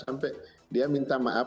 sampai dia minta maaf